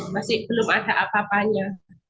masih belum ada apa apanya